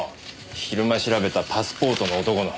昼間調べたパスポートの男の。